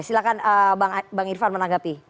silahkan bang irfan menanggapi